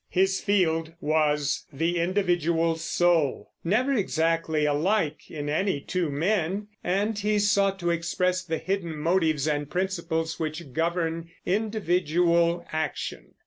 His field was the individual soul, never exactly alike in any two men, and he sought to express the hidden motives and principles which govern individual action.